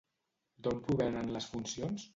D'on provenen les funcions?